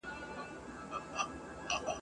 نه دوستي نه دښمني وي نه یاري وي نه ګوندي وي !.